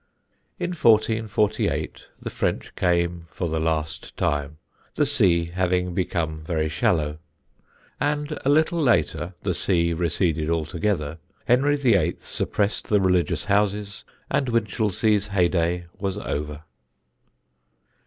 In 1448 the French came for the last time, the sea having become very shallow; and a little later the sea receded altogether, Henry VIII. suppressed the religious houses, and Winchelsea's heyday was over.